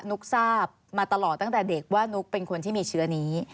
ุ๊กทราบมาตลอดตั้งแต่เด็กว่านุ๊กเป็นคนที่มีเชื้อนี้